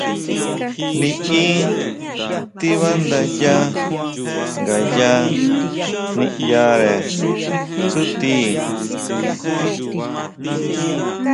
Liʼí tíbándayá ngayá niʼyare tsútii.